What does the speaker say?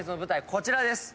こちらです。